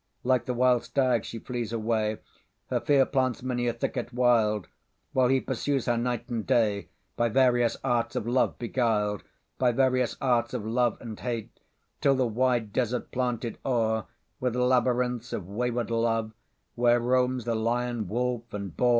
Like the wild stag she flees away, Her fear plants many a thicket wild; While he pursues her night and day, By various arts of love beguil'd; By various arts of love and hate, Till the wide desert planted o'erWith labyrinths of wayward love, Where roam the lion, wolf, and boar.